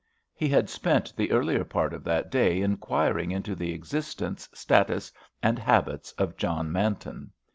He had spent the earlier part of that day inquiring into the existence, status, and habits of John Manton.